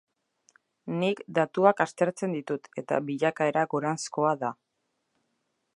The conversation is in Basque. Nik datuak aztertzen ditut eta bilakaera goranzkoa da.